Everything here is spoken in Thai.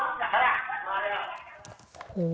มาเลยครับ